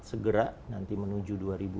segera nanti menuju dua ribu dua puluh